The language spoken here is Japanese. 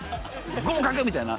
「合格」みたいな。